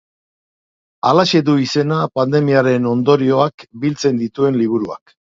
Halaxe du izena pandemiaren ondorioak biltzen dituen liburuak.